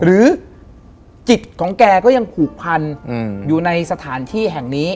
หรือจิตของแกก็ยังผูกพันอยู่ในสถานที่แห่งนี้